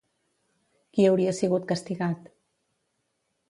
Qui hauria sigut castigat?